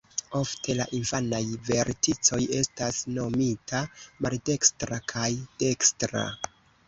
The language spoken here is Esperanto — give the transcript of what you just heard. Ofte la infanaj verticoj estas nomita "maldekstra" kaj "dekstra".